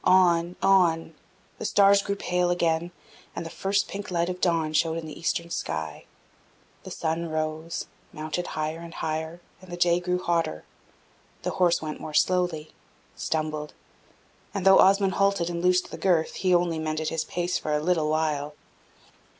On on; the stars grew pale again, and the first pink light of dawn showed in the eastern sky; the sun rose, mounted higher and higher, and the day grew hotter; the horse went more slowly, stumbled, and though Osmond halted and loosed the girth, he only mended his pace for a little while.